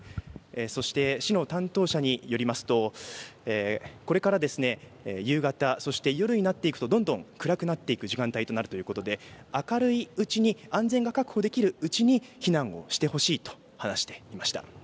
そして市の担当者によりますとこれから夕方、そして夜になっていくとどんどん暗くなっていく時間帯となるということで明るいうちに安全が確保できるうちに避難をしてほしいと話していました。